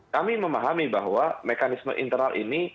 kami memahami bahwa mekanisme internal ini